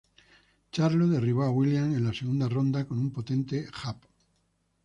Charlo derribó a Williams en la segunda ronda con un potente jab.